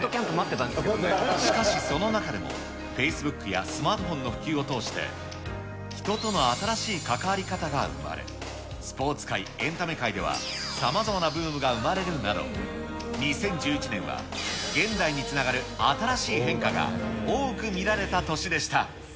しかしその中でも、フェイスブックやスマートフォンの普及を通して、人との新しい関わり方が生まれ、スポーツ界、エンタメ界では、さまざまなブームが生まれるなど、２０１１年は現代につながる新しい変化が多く見られた年でした。